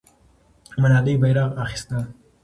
ملالۍ بیرغ اخیسته.